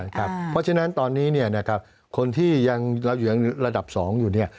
เพราะฉะนั้นตอนนี้คนที่ยังเราอยู่ระดับ๒อยู่เนี่ย